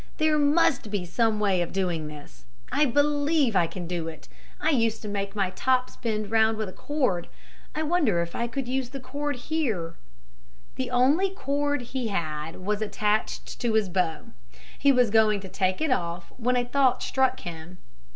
"There must be some way of doing this. I believe I can do it. I used to make my top spin round with a cord; I wonder if I can use the cord here." The only cord he had was attached to his bow. He was going to take it off when a thought struck him.